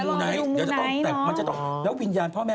เอามาในรายการมูไนท์มันจะต้องแล้ววิญญาณพ่อแม่